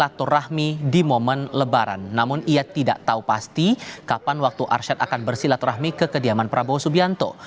silaturahmi di momen lebaran namun ia tidak tahu pasti kapan waktu arsyad akan bersilaturahmi ke kediaman prabowo subianto